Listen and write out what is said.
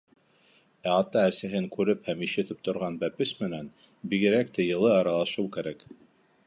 Ә ата-әсәһен күреп һәм ишетеп торған бәпес менән бигерәк тә йылы аралашыу кәрәк.